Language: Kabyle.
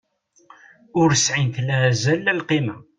Ur sɛint la azal la lqima.